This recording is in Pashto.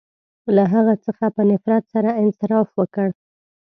• له هغه څخه په نفرت سره انصراف وکړ.